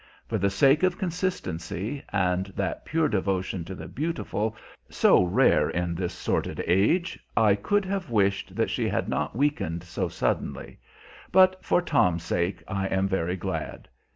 For the sake of consistency, and that pure devotion to the Beautiful, so rare in this sordid age, I could have wished that she had not weakened so suddenly; but for Tom's sake I am very glad.